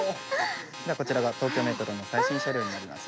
こちらが東京メトロの最新車両になります。